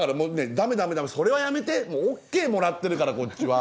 ダメダメダメそれはやめてＯＫもらってるからこっちは。